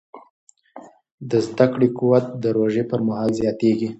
د زده کړې قوت د روژې پر مهال زیاتېږي.